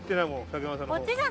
竹山さんのほう。